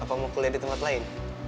atau mau kuliah di tempat lain